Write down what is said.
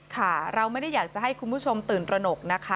ค่ะเราไม่ได้อยากจะให้คุณผู้ชมตื่นตระหนกนะคะ